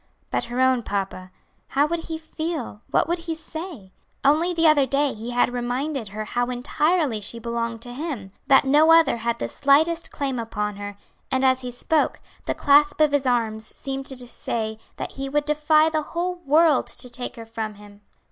But her own papa, how would he feel what would he say? Only the other day he had reminded her how entirely she belonged to him that no other had the slightest claim upon her, and as he spoke, the clasp of his arms seemed to say that he would defy the whole world to take her from him.